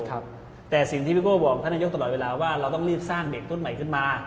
แต่สิ่งที่พี่โก้บอกท่านนายกตลอดเวลาว่าเราต้องรีบสร้างเด็กต้นใหม่ขึ้นมา